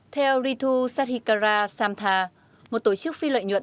theo ritu sathikara samtha một tổ chức phi lợi nhuận